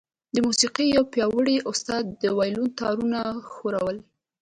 د موسيقۍ يو پياوړی استاد د وايلون تارونه ښوروي.